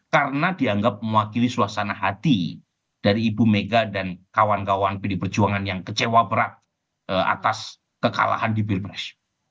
karena dianggap mewakili suasana hati dari ibu mega dan kawan kawan pd perjuangan yang kecewa berat atas kekalahan di bill press